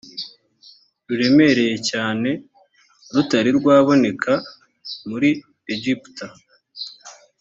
ruremereye cyane rutari rwaboneka muri egiputa